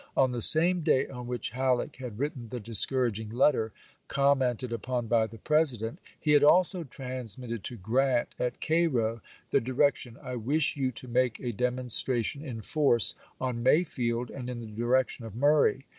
On the same day on which Halleck had written the discourag ing letter commented upon by the President, he had also transmitted to Grant, at Cairo, the direc tion :" I wish you to make a demonstration in force on Mayfield and in the direction of Murray."